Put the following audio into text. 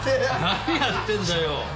何やってんだよ。